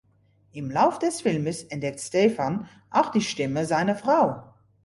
Im Lauf des Filmes entdeckt Stefan auch die Stimme seiner Frau.